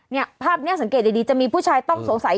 เนี่ยภาพนี้สังเกตดีจะมีผู้ชายต้องสงสัย